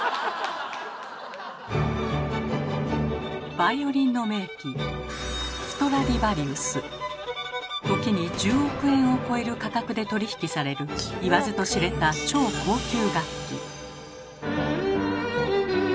バイオリンの名器時に１０億円を超える価格で取り引きされる言わずと知れた超高級楽器。